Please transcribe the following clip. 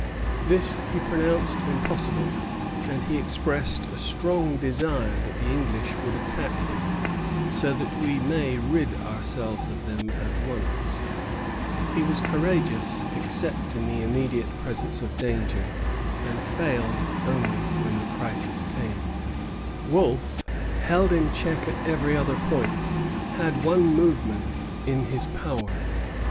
This he pronounced impossible; and he expressed a strong desire that the English would attack him, "so that we may rid ourselves of them at once." He was courageous, except in the immediate presence of danger, and failed only when the crisis came. Vaudreuil à Bourlamaque, 8 Juillet, 1759. Wolfe, held in check at every other point, had one movement in his power.